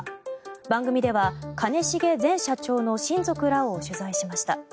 番組では兼重前社長の親族らを取材しました。